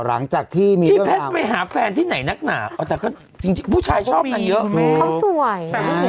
หลังจากที่มีเรื่องราวพี่แพทย์ไปหาแฟนที่ไหนนักหนาเอาจากก็จริงจริงผู้ชายชอบกันเยอะ